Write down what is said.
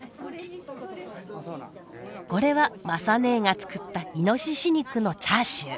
これは雅ねえが作ったイノシシ肉のチャーシュー。